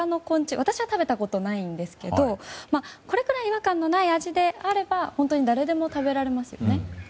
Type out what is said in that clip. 私は食べたことないんですけどこれくらい違和感のない味であれば本当に誰でも食べられますよね。